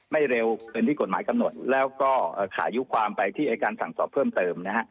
เร็วเกินที่กฎหมายกำหนดแล้วก็ขายุความไปที่อายการสั่งสอบเพิ่มเติมนะฮะ